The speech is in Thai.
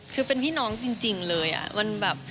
คือเป็นพี่น้องจริงเลยอ่ะมันแบบ